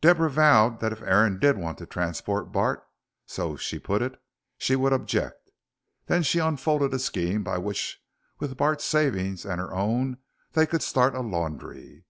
Deborah vowed that if Aaron did want to transport Bart so she put it she would object. Then she unfolded a scheme by which, with Bart's savings and her own, they could start a laundry.